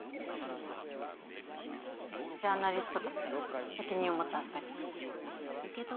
ジャーナリストとして責任を持って預かります。